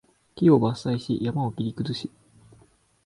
木を伐採し、山を切り崩し